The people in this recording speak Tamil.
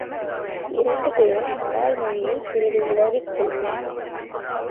இரண்டு பேரும் மலாய் மொழியில் சிறிது உளறிக் கொள்வோம்.